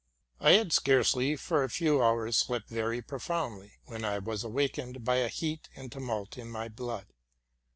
I had scarcely for a few hours slept very profoundly, when I was awakened by a heat and tumult in my blood.